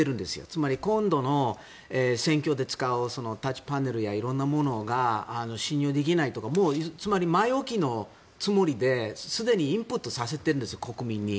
つまり、今度、選挙で使うパネルや色んなものが信用できないとか前置きのつもりですでにインプットさせてるんです国民に。